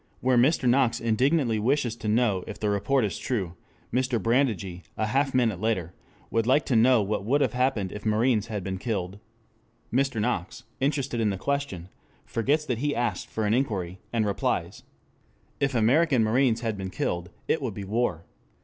Where Mr. Knox indignantly wishes to know if the report is true, Mr. Brandegee, a half a minute later, would like to know what would have happened if marines had been killed. Mr. Knox, interested in the question, forgets that he asked for an inquiry, and replies. If American marines had been killed, it would be war.